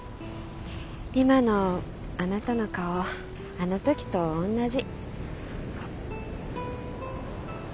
今のあなたの顔あのときとおんなじ。